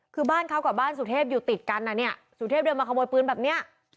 คือบ้านเขากับบ้านสุเทพอยู่ติดกันอ่ะเนี่ยสุเทพเดินมาขโมยปืนแบบเนี้ย